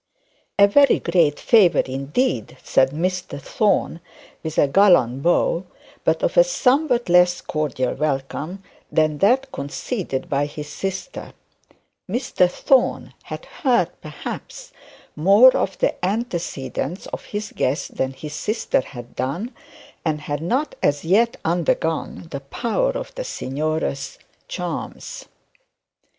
'A very great favour indeed,' said Mr Thorne, with a gallant bow, but of somewhat less cordial welcome than that conceded by his sister. Mr Thorne had learned perhaps more of the antecedents of his guest than his sister had done, and not as yet undergone the power of the signora's charms.